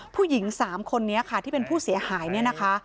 ผู้หญิง๓คนนี้ค่ะที่เป็นผู้เสียหายเนี่ยนะคะ